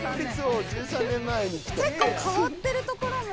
結構変わってるところも。